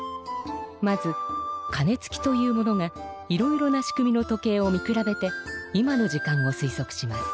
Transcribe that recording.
まず「かねつき」という者がいろいろな仕組みの時計を見くらべて今の時間をすいそくします。